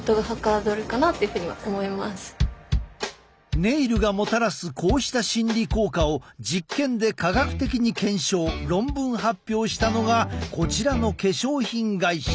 ネイルがもたらすこうした心理効果を実験で科学的に検証論文発表したのがこちらの化粧品会社。